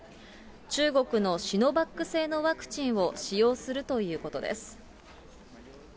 中国のシノバック製のワクチンを使用するということです。